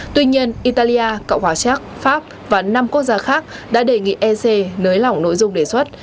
tuy nhiên italia cộng hòa séc pháp và năm quốc gia khác đã đề nghị ec nới lỏng nội dung đề xuất